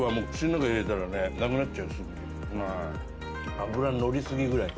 脂乗り過ぎぐらい。